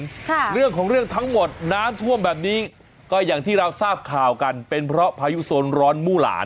ค่ะเรื่องของเรื่องทั้งหมดน้ำท่วมแบบนี้ก็อย่างที่เราทราบข่าวกันเป็นเพราะพายุโซนร้อนมู่หลาน